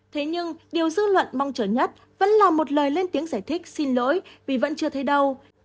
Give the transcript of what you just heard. thế nhưng điều dư luận mong chờ nhất vẫn là một lời lên tiếng giải thích xin lỗi vì vẫn chưa thấy đâu